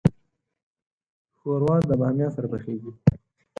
ښوروا د بامیا سره پخیږي.